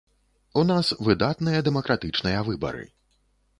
У нас выдатныя дэмакратычныя выбары.